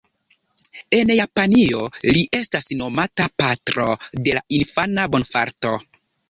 En Japanio li estas nomata "Patro dela Infana Bonfarto".